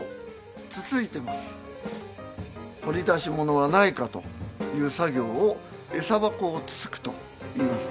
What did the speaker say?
掘り出し物はないかという作業を「餌箱をつつく」といいます。